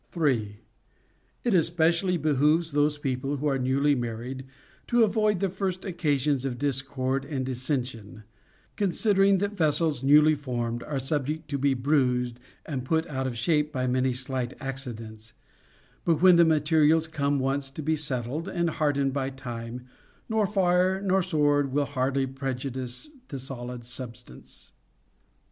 3. It especially behooves those people who are newly married to avoid the first occasions of discord and dissen sion ; considering that vessels newly formed are subject to be bruised and put out of shape by many slight accidents, but when the materials come once to be settled and hard ened by time, nor fire nor sword will hardly prejudice the solid substance.